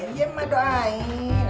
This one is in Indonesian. iya mah doain